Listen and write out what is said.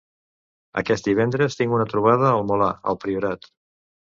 Aquest divendres tinc una trobada al Molar, al Priorat.